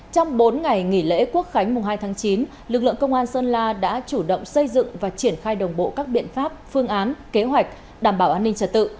trong bốn ngày nghỉ lễ quốc khánh hai tháng chín lực lượng công an sơn la đã chủ động xây dựng và triển khai đồng bộ các biện pháp phương án kế hoạch đảm bảo an ninh trật tự